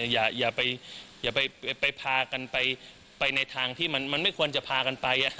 อย่าอย่าไปอย่าไปไปพากันไปไปในทางที่มันมันไม่ควรจะพากันไปอ่ะ